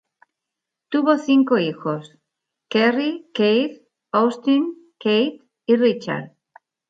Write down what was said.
Tuvo cinco hijos: Kerry, Keith, Austen, Kate, y Richard.